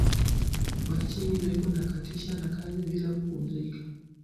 Ba china beko na katisha na kazi bila kupumuzika